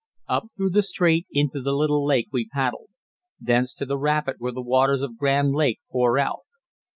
Up through the strait into the Little Lake we paddled, thence to the rapid where the waters of Grand Lake pour out.